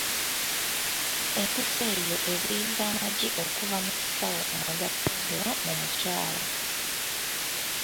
Empiso eyo eziyiza amagi okuva mu kisawo mwe gatondebwa mu mukyala.